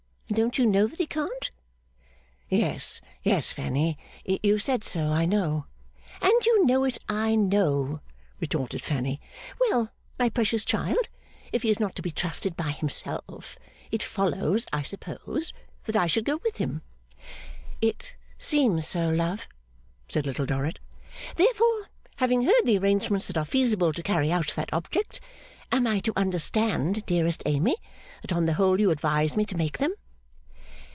And don't you know that he can't?' 'Yes, yes, Fanny. You said so, I know.' 'And you know it, I know,' retorted Fanny. 'Well, my precious child! If he is not to be trusted by himself, it follows, I suppose, that I should go with him?' 'It seems so, love,' said Little Dorrit. 'Therefore, having heard the arrangements that are feasible to carry out that object, am I to understand, dearest Amy, that on the whole you advise me to make them?